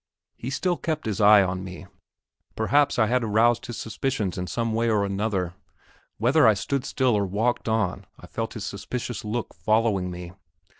He still kept his eye on me perhaps I had aroused his suspicions in some other way or another. Whether I stood still or walked on, I felt his suspicious look following me.